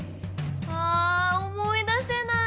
あ思い出せない！